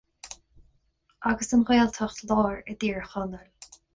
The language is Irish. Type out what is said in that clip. Agus an Ghaeltacht Láir i dTír Chonaill.